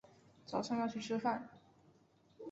早上要去吃饭